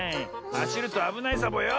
はしるとあぶないサボよ。